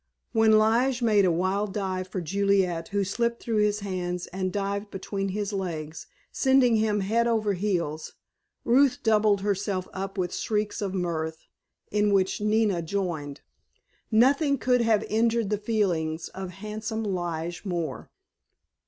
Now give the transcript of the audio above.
When Lige made a wild dive for Juliet, who slipped through his hands and dived between his legs, sending him head over heels, Ruth doubled herself up with shrieks of mirth, in which Nina joined. Nothing could have injured the feelings of handsome Lige more.